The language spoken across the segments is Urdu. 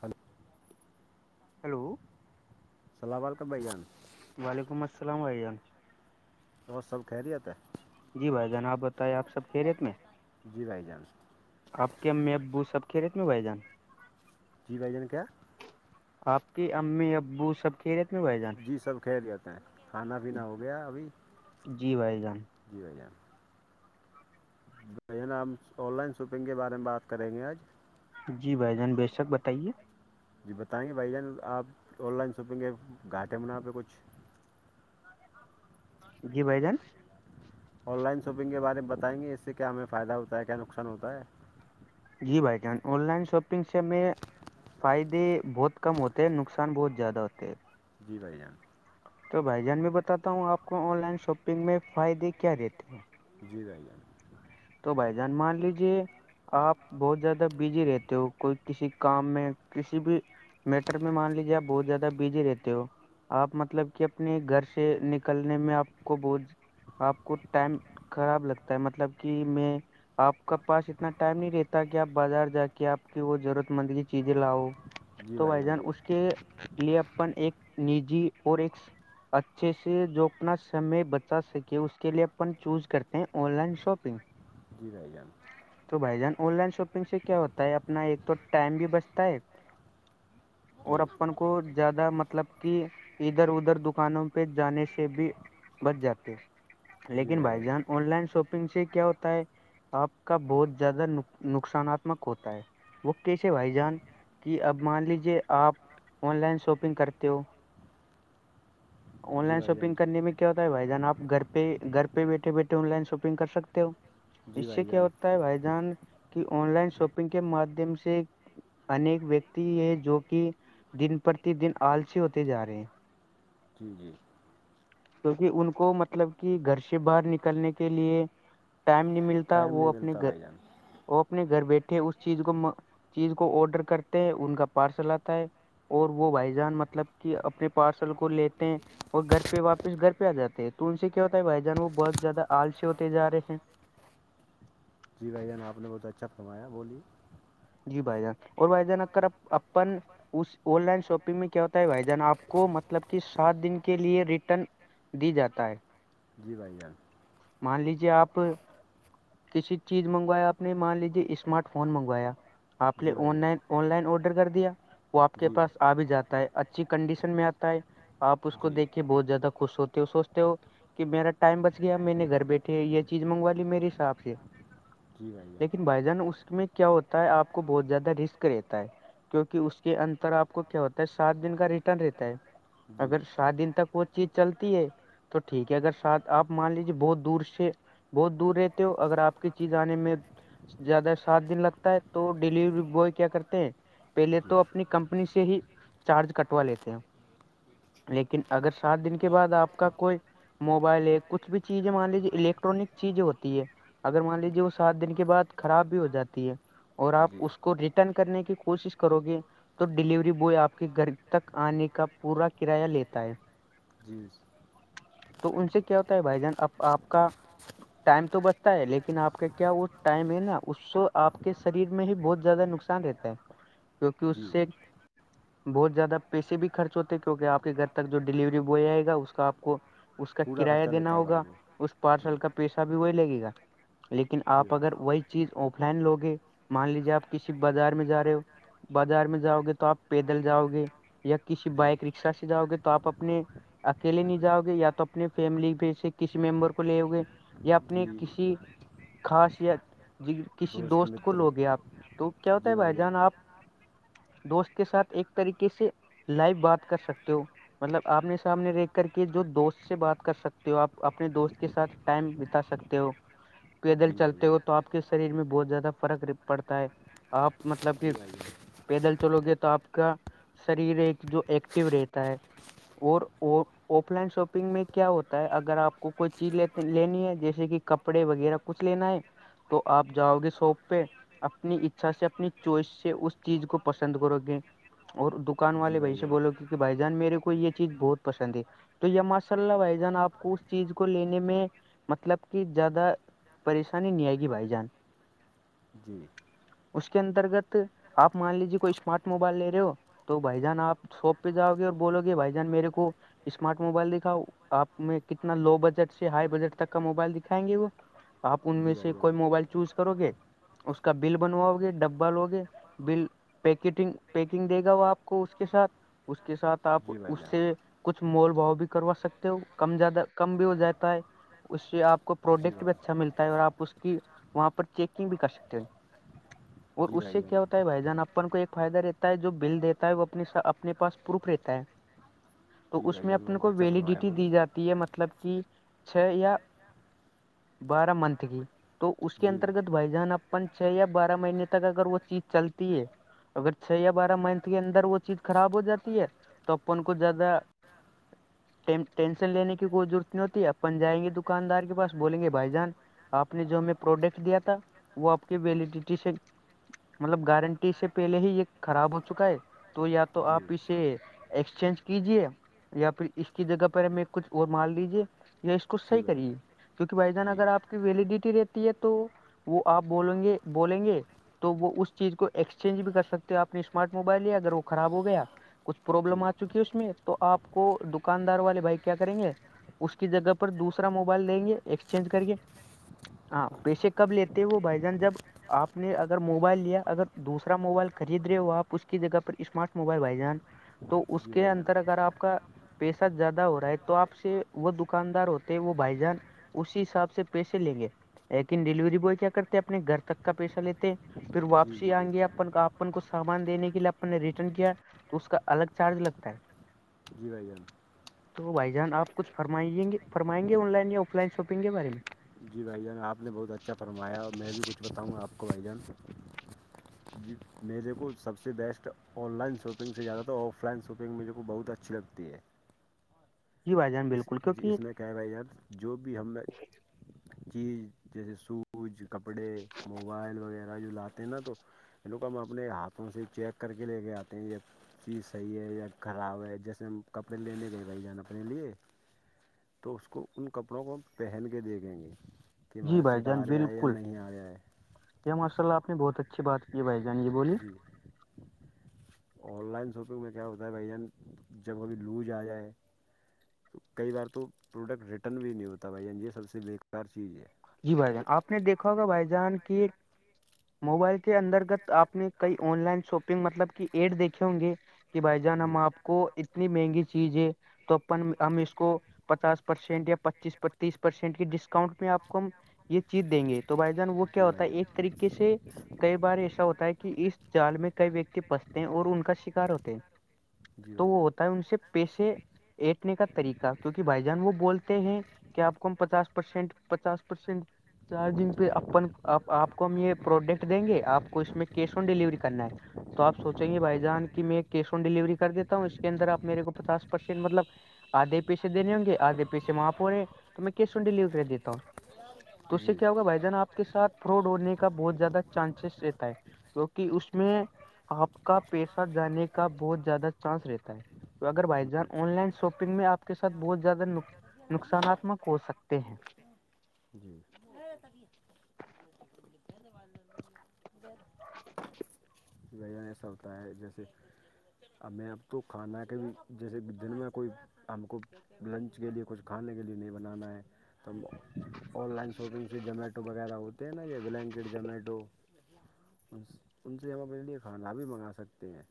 خلو ہیلو چلاوال کا بھگان وعلیکم السلام عیم تو وہ سب خہریت ہے جی بھائی جان آپ بتائیے آپ سب کھی ریت میں جی بائی جان آپ کے میں ابو سب کھی رہے تھ میں بھائی جان جی بھ جان کیا آپ کی امی ابو سب کھیلے تھے جی سب کہ لی جتے ہیں کھانا پینا ہو گیا ابھی جی بھائی جان جی بھائی جان بھیا نا ہم آن لائن شاپنگ کے بارے میں بات کریں گے آج جی بھائی جان بے شک بتائیے جی بتائیں گے بھائی جان آپ آن لائن شاپنگ کے گھاٹے میںنااں پہ کچھ جی بائی جان آن لائن شاپنگ کے بارے میں بتائیں گے اس سے کیا ہمیں فائدہ ہوتا ہے کیا نقصان ہوتا ہے جی بھائی جان آن لائن شاپنگ سے میں فائدے بہت کم ہوتے ہیں نقصان بہت زیادہ ہوتے ہیں جی بائی ج تو بھائی جان میں بتاتا ہوں آپ کو آن لائن شاپنگ میں فائدے کیا دیتے ہیں جی بھائی جان تو بائی جان مان لیجیے آپ بہت زیادہ بزی رہتے ہو کوئی کسی کام میں کسی بھی میٹر میں مان لیجیے آپ بہت زیادہ بزی رہتے ہو آپ مطلب کہ اپنے گھر سے ن نکلنے میں آپ کو بہت آپ کو ٹائم خراب لگتا ہے مطلب کہ میں آپ کا پاس اتنا ٹائم نہیں رہتا کہ آپ بازار جا کے آپ کی وہ ضرورت مند کی چیزیں لاؤ تو بھائی جان اس کے لیے اپن ایک نجی اور ایک اچھے سے جو اپنا سمے بچا سکے اس کے لیے اپن چوز کرتے ہیں آن لائن شاپ اچھا [unintelligible] گ رہائی گان [unintelligible] تو بھائی جان آن لائن شاپنگ سے کیا ہوتا ہے اپنا ایک تو ٹائم بھی بچتا ہے [inaudible] اور اپن کو زیادہ مطلب کہ ادھر ادھر دکانوں پہ جانے سے بھی بچ جاتے لیکن بھائی جان آن لائن شاپنگ سے کیا ہوتا ہے آپ کا بہت زیادہ نقصاناتمک ہوتا ہے [unintelligible] وہ کیسے بھائی جان کہ اب مان لیجیے آپ آن لائن شاپنگ کرتے ہو آن لائن شاپنگ کرنے میں کیا کیا ہوتا ہے بھائی جان آ گھر پہ گھر پہ بیٹھے بیٹھے آن لائن شاپنگ کر سکتے ہو [unintelligible] اس سے کیا ہوتا ہے بھائی جان کی آن لائن شاپنگ کے مادھیم سے ایک ویکتی ہے جو کہ [unintelligible] دن پرتی دن آلسی ہوتے جا رہے ہیں جی جی کیونک ان کو مطلب کہ گھر سے باہر نکلنے کے لیے ٹائم نہیں ملتا وہ اپنے گھر وہ اپنے گھر بیٹھے اس چیز کو چیز کو آڈر کرتے ہیں ان کا پارسل آتا ہے اور وہ بھائی جان مطلب کہ اپنے پارسل کو لیتے ہیں اور گھر پہ واپس گھر پہ آ جاتے ہیں تو ان سے کیا ہوتا ہے بھائی جان وہ بہت زیادہ آلسی ہوتے جا رہے ہیں جی بھائی جان آپ نے بہت اچھا فرمایا بولیے جی بھائی جان اور بھائی جان ا اپن اس آن لائن شاپنگ میں کیا ہوتا ہے بھائی جان آپ کو مطلب کہ سات دن کے لیے ریٹرن دی جاتا ہے جی بھائی جان مان لیجیے آپ کسی چیز منگوایا آپ نے مان لیجیے اسمارٹ فون منگوایا آپ نے online online order کر دیا وہ آپ کے پاس آ بھی جاتا ہے اچھی کنڈیشن میں آ آپ اس کو دیک کے بہت زیادہ [unintelligible] خوش ہوتے ہو سوچتے ہو کہ میرا ٹائم بچ گیا میں نے گھر بیٹھے یہ چیز منگوا لی میرے حساب سے لیکن بھائی جان اس میں کیا ہوتا ہے آپ کو بہت زیادہ رسک رہتا ہے کیونکہ اس کے انتر آپ کو کیا ہوتا ہے سات دن کا ریٹرن رہتا ہے اگر سات دن تک وہ چیز چلتی ہے تو ٹھیک ہے اگر سات آپ مان لیجیے بہت دور سے بہت دور رہتے ہو اگر آپ کی چیز آنے میں زیادہ سات دن لگتا ہے تو ڈیلیوری بوائے کیا کرتے ہیں پہلے تو اپنی کمپنی سے ہی چارج کٹوا لیتے ہیں لیکن اگر سات دن کے بعد آپ کا کوئی موبائل ہے کچھ بھی چیز مان لیجیے الیکٹرانک چیزیں ہوتی ہے اگر مان لیجیے وہ سات دن کے بعد خراب بھی ہو جاتی ہے اور آپ اس کو ریٹرن کرنے کی کوشش کرو گے تو ڈیلیوری بوائے آپ کے گھر تک آنے کا پورا کرایہ لیتا ہے جی [inaudible] تو ان سے کیا ہوتا ہے بھائی جان اب آپ کا ٹائم تو بچتا ہے لیکن آپ کا کیا وہ ٹائم ہے نا اسو آپ کا کے شریر میں ہی بہت زیادہ نقصان رہتا ہے کیونکہ اس سے بہت زیادہ پیسے بھی خرچ ہوتے ہیں کیونکہ آپ کے گھر تک جو ڈیلیوری بوائے آئے گا اس کا آپ کو اس کا کرایہ دینا ہوگا اس پارسل کا پیسہ بھی وہی لگے گا لیکن آپ اگر وہی چیز آف لائن لو گے مان لیجے آپ کسی بازار میں جا رہے ہو بازار میں جاؤ گے تو آپ پیدل جاؤ گے یا کسی بائک رکشا سے جاؤ گے تو آپ اپنے اکیلے نہیں جاؤ گے یا تو اپنے فیملی پ سے کسی ممبر کو لےؤ گے یا اپنے کسی خاص یا کسی دوست پتر جی بائی جائے دوست کے ساتھ ایک طریقے سے لائو بات کر سکتے ہو مطلب آپنے سامنے ریکھ کر کے جو دوست سے بات کر سکتے ہو آپ اپنے دوست کے ساتھ ٹائم بتا سکتے ہو [inaudible] پیدل چلتے ہو تو آپ کے شریر میں بہت زیادہ فرق پڑتا ہے آپ مطلب کہ پیدل چلو گے تو آپ کا شریر ایک جو ایکٹیو رہتا ہے اور اور آف لائن شاپنگ میں کیا ہوتا ہے اگر آپ کو کوئی چیز لینی ہے جیسے کہ کپڑے وغیرہ کچھ لینا ہے تو آپ جاؤ گے شاپ پہ اپنی اچھا سے اپنی چوائس سے اس چیز کو پسند کرو گے اور دکان والے بھائی سے بولو کہ بھائی جان میرے کو یہ چیز بہت پسند ہے تو یہ ماشاء اللہ بھائی جان آپ کو اس چیز کو لینے میں مطلب کہ زیادہ پریشانی نہیں ہے گی بھائی جان اس کے انترگت آپ مان لیجیے کوئی اسمارٹ موبائل لے رہے ہو تو بھائی جان آپ شاپ پہ جاؤ گے اور بولو گے بھائی جان میرے کو اسمارٹ موبائل دکھاؤ آپ میں کتنا لو بجٹ سے ہائی بجٹ تک کا موبائل دکھائیں گے وہ آپ ان میں سے کوئی موبائل چوز کرو گے اس کا بل بنواؤ گے ڈبا لوگے بل پیکیٹنگ پیکنگ دے گا وہ آپ کو اس کے ساتھ اس کے ساتھ آپ اس سے کچھ مول بھاؤ بھی کروا سکتے ہو کم زیادہ کم بھی ہو جاتا ہے اس سے آپ کو پروڈکٹ بھی اچھا ملتا ہے اور آپ اس کی وہاں پر چیکنگ بھی کر سکتے ہیں اور اس سے کیا ہوتا ہے بھائی جان آپ اپن کو ایک فائدہ رہتا ہے جو بل دیتا ہے وہ اپنے اپنے پاس پروف رہتا ہے تو اس میں اپنے کو ویلیڈیٹی دی جاتی ہے مطلب کہ چھ یا بارہ منتھ کی تو اس کے انترگت بھائی جان اپن چھ یا بارہ مہینے تک اگر وہ چیز چلتی ہے اگر چھ یا بارہ منتھ کے اندر وہ چیز خراب ہو جاتی ہے تو اپ ان کو زیادہ ٹینشن لینے کی کوئی ضرورت نہیں ہوتی اپن جائیں گے دکاندار کے پس بولیں گے بھائی جان آپ نے جو ہم پروڈکٹ دیا تھا وہ آپ کی ویلیڈیٹی سے مطلب گارنٹی سے پہلے ہی یہ خراب ہو چکا ہے تو یا تو آپ اسے ایکسچینج کیجیے یا پھر اس کی جگہ پر ہمیں کچھ اور مان لیجے یا اس کوچھ صحیح کریے کیونکہ بھائی جان اگر آپ کی ویلیڈیٹی رہتی ہے تو وہ آپ بولیں گے بولیں گے تو وہ اس چیز کو ایکسچینج بھی کر سکتے آپ نے اسمارٹ موبائل لیا اگر وہ خراب ہو گیا کچھ پروبلم آ چکی ہے اس میں تو آپ کو دکاندار والے بھائی کیا کریں گے اس کی جگہ پر دوسرا موبائل دیں گے ایکسچینج کرے ہاں پیسے کب لیتے وہ بھائی جان جب آپ نے اگر موبائل لیا اگر دوسرا موبائل خرید رہے ہو آپ اس کی جگہ پر اسمارٹ موبائل بھائی جان تو اس کے انتر اگر آپ کا پیسہ زیادہ ہو رہا ہے تو آپ سے وہ دکاندار ہوتے وہ بھائی جان اسی حساب سے پیسے لیں گے لیکن ڈیلیوری بوائے کیا کرتے اپنے گھر تک کا پیسہ لیتے پھر واپسی آئ گے اپن آپ اپ کو سامان دینے کے لیے اپن نے ریٹرن کیا تو اس کا الگ چارج لگتا ہے جی بھائی جان تو بھائی جان آپ کھ فرمائیں گے فرمائیں گے online offline shopping کے بارے میں جی بھائی جان آپ نے بہت اچھا فرمایا اور میں بھی کچھ بتاؤںا آپ کو بھائی جان ج [inaudible] میرے کو سب سے بیسٹ آن لائن شاپنگ سے زیادہ تور آف لائن شاپنگ مجھے کو بہت اچھی لگتی ہے اس اس میں کہ با یار جو بھی ہم چیز جیسے سوٹ کج کپڑے موبائل وغیرہ جو لاتے ہیں نا تو ان لوگ ہم اپنے ہاتھوں سے ہی چیک کر کے لے کے آتے ہیں یہ چیز صحیح ہے یا خراب ہے جیسے ہم کپڑے لینے گئے بھائی جان اپنے لیے تو اس کو ان کپڑوں کو ہم پہن کے دیکھیں گے کہ ہمارا فٹ آ رہیا ہے یا نہیں آ رہیا ہے ی ماشاء اللہ آپ نے بہت اچھی بات کی ہے بھائی جان یہ بولی آن لائن شاپنگ میں کیا ہوتا ہے بھائی جان جب ابھی لوج آ جائے تو کئی بار تو پروڈکٹ ریٹرن بھی نہیں ہوتا بھائی جان یہ سب سے بیکار چیز ہے جی بھائی جان آپ نے دیکھا ہوگا بھائی جان کی موبائل کے انترگت آپ نے کئی آن لائن شاپنگ مطلب کی ایڈ دیکھے ہوں گے کہ بھائی جان ہم آپ کو اتنی مہنگی چیزیں تو اپن ہم اس کو پچاس پرسینٹ یا پچیس تیس پرسینٹ کے ڈسکاؤنٹ میں آپ کو یہ چیز دیں گے تو بھائی جان وہ کیا ہوتا ہے ایک طریقے سے کئی بار ایسا ہوتا ہے کہ کہ اس جال میں کئی ویکتی پستے ہیں اور ان کا شکار ہوتے ہیں تو وہ ہوتا ہے ان سے پیسے اٹنے کا طریقہ کیونکہ بھائی جان وہ بولتے ہیں کہ آپ کو ہم پچاس پرسینٹ پچاس پرسینٹ چارجنگ پہ اپن آپ کو ہم یہ پروڈکٹ دیں گے آپ کو اس میں کیش آن ڈیلیوری کرنا ہے تو آپ سوچیں گے بھائی جان کہ میں کیش آن ڈلیوری کر دیتا ہوں اس کے اندر آپ میرے کو پچس پرسینٹ مطلب آدھے پیسے دینے ہوں گے آدھے پیسے وہاںپ رہے تو میں کیش آن ڈلیوری کر دیتا ہوں تو اس سے کیا ہوگا بھائی جان آپ کے سھ فراڈ ہونے کا بہت زیادہ چانسز رہتا ہے کیوںکہ اس میں آپ کا پیسہ جانے کا بہت زیادہ چانس رہتا ہے تو اگر بھائی جان آن لائن شاپنگ میں آ کے سات بہت زیادہ ن نقصاناتمک ہو سکتے ہیں جی [inaudible] ہو س گ [unintelligible] [inaudible] ون ایسا ہوتا ہے جیسے ہمیں اب تو کھانا ہے کہ بھی جیسے دن میں کوئی ہم کو لنچ کے لیے کچھ کھانے کے لیے نہیں بنانا ہے تو آن لائن شاپنگ سے زومیٹو وغیرہ ہو ینا یہ بلینکٹ زومیٹو ان سے ہم [unintelligible] یر لیے کھانا بھی منگا سکتے ہیں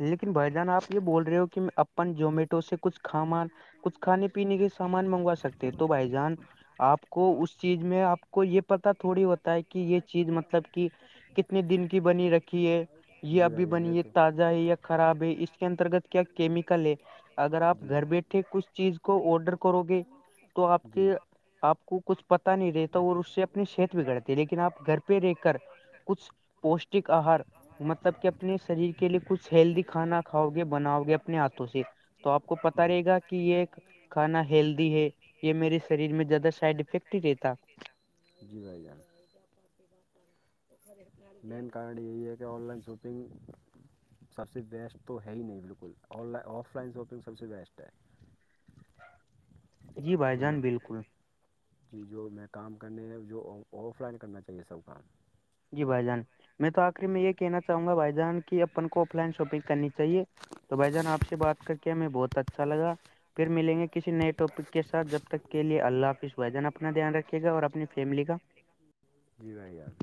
لیکن بھائی جان آپ یہ بول رہے ہو کہ اپن زمیٹو سے کچھ کھاما کچھ کھانے پینے کے سامان منگوا سکتے تو بھائی جان آپ کو اس چیز میں آپ کو یہ پتہ تھوڑی ہوتا ہے کہ یہ چیز مطلب کہ کتنے دن کی بنی رکھی ہے یہ اب بھی بنی ہے تازہ ہے یا خراب ہے اس کے انترگت کیا کیمیکل ہے اگر آپ گھر بیٹھے تھے کچ چیز کو آڈر کرو گے تو آپ کے آپ کو کچھ پتا نہیں رہتا اور اس سے اپنی صحت بگڑتی لیکن آپ گھر پہ رہ کر کچھ پوشٹک آہار مطلب کہ اپنے شریر کے لیےچ کچھ ہیلدی کھانا کھاؤ گے بناؤ گے اپنے ہاتھوں سے تو آپ کو پتا رہے گا کہ یہ ایک کھانا ہیلدی ہے یہ میرے شریر میں زیادہ سائڈ افیکٹ ہی رہتا جی بھائی جان [unintelligible] مین کارن یہی ہے کہ آن لائن شاپنگ سب سے بیسٹ تو ہے ہی نہیں بالکل آائ آف لائن شاپنگ سب سے بیسٹ ہے جو میں جی جو میں کام کرنے ہیں جو آف لائن کرنا چاہیے سب کام جی بھائی جان میں تو آخری میں یہ کہنا چاہوں گا بھائی جان کی اپن کو آف لائن شاپنگ کرنی چاہیے تو بھائی جان آپ سے بات کر کے ہمیں بہت اچھا لگا پھر ملیں گے کسی نئے ٹاپک کے ساتھ جب تک کے لیے اللہ حاظدان اپنا دھیان رکھے گا اور اپنی فیملی کا جی بھائی جان